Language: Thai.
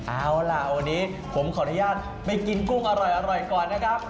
เอาล่ะวันนี้ผมขออนุญาตไปกินกุ้งอร่อยก่อนนะครับ